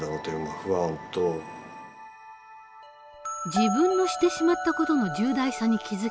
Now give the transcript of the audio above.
自分のしてしまった事の重大さに気付き